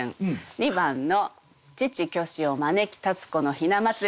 ２番の「父虚子を招き立子の雛まつり」。